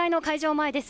前です。